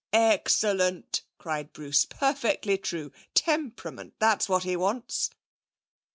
'Excellent!' cried Bruce. 'Perfectly true. Temperament! That's what he wants!'